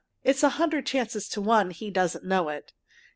It's a hundred chances to one, he doesn't know it.